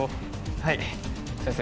はい先生